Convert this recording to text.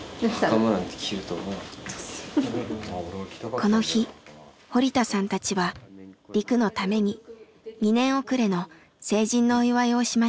この日堀田さんたちはリクのために２年おくれの成人のお祝いをしました。